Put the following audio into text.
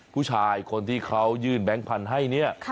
ผู้ชายคนที่เขายื่นแบงค์พันธุ์ให้เนี่ย